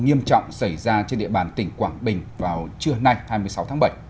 nghiêm trọng xảy ra trên địa bàn tỉnh quảng bình vào trưa nay hai mươi sáu tháng bảy